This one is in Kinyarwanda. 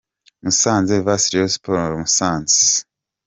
Musanze vs Rayon Sports – Musanze.